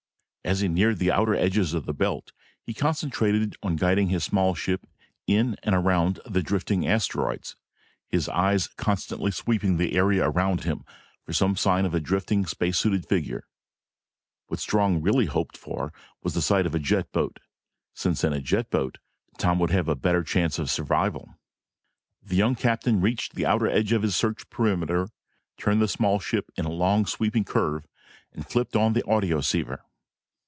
As he neared the outer edges of the belt, he concentrated on guiding his small ship in and around the drifting asteroids, his eyes constantly sweeping the area around him for some sign of a drifting space suited figure. What Strong really hoped for was the sight of a jet boat, since in a jet boat, Tom would have a better chance of survival. The young captain reached the outer edge of his search perimeter, turned the small ship into a long sweeping curve, and flipped on the audioceiver.